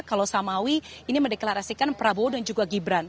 kalau samawi ini mendeklarasikan prabowo dan juga gibran